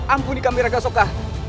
ampuni kami raga soka